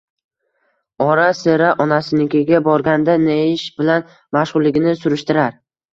Ora- sira onasinikiga borgan-da, neish bilan mashg'ulligini surishtirar